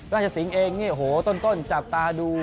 ราชสิงห์เองโอ้โฮต้นจับตาดู